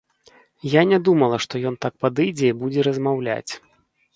Я не думала, што ён так падыдзе і будзе размаўляць.